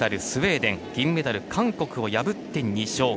スウェーデン、そして銀メダルの韓国を破って２勝。